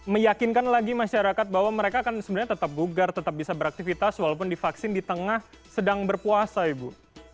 meyakinkan lagi masyarakat bahwa mereka kan sebenarnya tetap bugar tetap bisa beraktivitas walaupun divaksin di tengah sedang berpuasa ibu